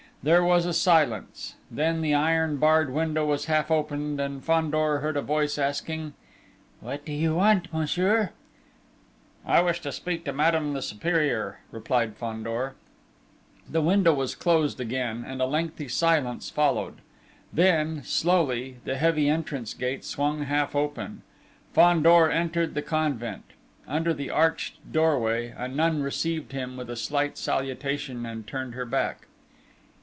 There was a silence: then the iron barred window was half opened, and Fandor heard a voice asking: "What do you want, monsieur?" "I wish to speak to Madame the Superior," replied Fandor. The window was closed again and a lengthy silence followed. Then, slowly, the heavy entrance gate swung half open. Fandor entered the convent. Under the arched doorway, a nun received him with a slight salutation, and turned her back.